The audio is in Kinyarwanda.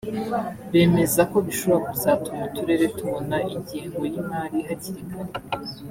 bemeza ko bishobora kuzatuma uturere tubona ingengo y’imari hakiri kare